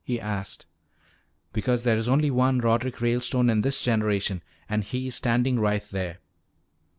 he asked. "Because there is only one Roderick Ralestone in this generation and he is standing right there.